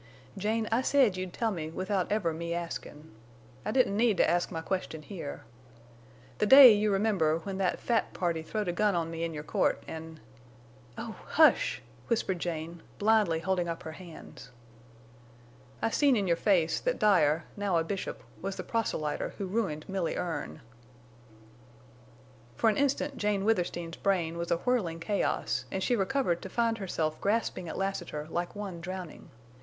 Jane, I said you'd tell me without ever me askin'. I didn't need to ask my question here. The day, you remember, when that fat party throwed a gun on me in your court, an'—" "Oh! Hush!" whispered Jane, blindly holding up her hands. "I seen in your face that Dyer, now a bishop, was the proselyter who ruined Milly Erne!" For an instant Jane Withersteen's brain was a whirling chaos and she recovered to find herself grasping at Lassiter like one drowning.